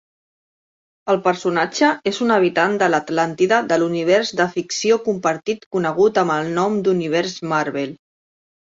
El personatge és un habitant de l'Atlàntida de l'univers de ficció compartit conegut amb el nom d'Univers Marvel.